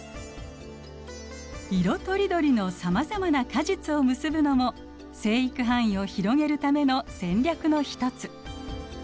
色とりどりのさまざまな果実を結ぶのも生育範囲を広げるための戦略の一つ。